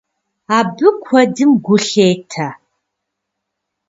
Абы куэдым гу лъетэ.